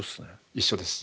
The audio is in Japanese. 一緒です。